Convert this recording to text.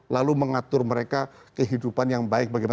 lalu mengatur mereka kehidupan yang baiknya ya pak pak